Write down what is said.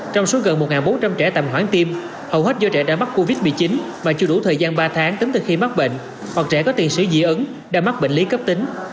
trong số gần một bốn trăm linh trẻ tạm hoãn tim hầu hết do trẻ đã mắc covid một mươi chín mà chưa đủ thời gian ba tháng tính từ khi mắc bệnh hoặc trẻ có tiền sử dị ứng đã mắc bệnh lý cấp tính